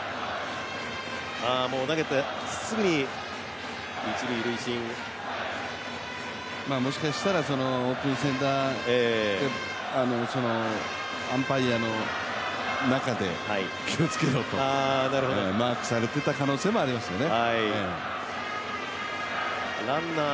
投げてすぐに一塁、塁審もしかしたらオープン戦アンパイアの中で気をつけろと、マークされていた可能性もありますね。